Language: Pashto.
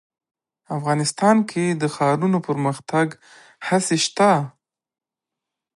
افغانستان کې د ښارونو د پرمختګ هڅې شته.